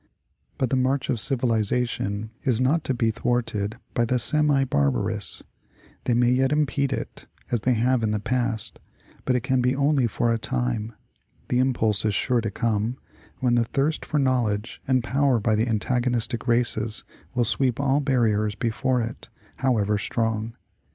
But the march of civilization is not to be thwarted by the semi barbarous ; they may yet impede it, as they have in the past, but it can be only for a time ; the impulse is sure to come, when the thirst for knowledge and power by the antagonistic races will sweep all barriers before it, however strong.